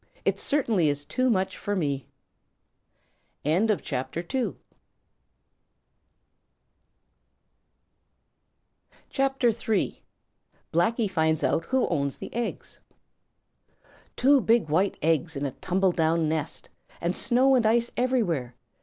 It certainly is too much for me." CHAPTER III: Blacky Finds Out Who Owns The Eggs Two big white eggs in a tumbledown nest, and snow and ice everywhere!